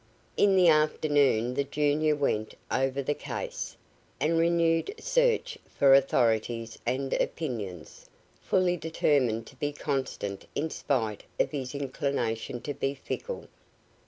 In the afternoon the junior went over the case, and renewed search for authorities and opinions, fully determined to be constant in spite of his inclination to be fickle.